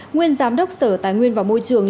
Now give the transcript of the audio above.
nguyên giám đốc sở tài nguyên và môi trường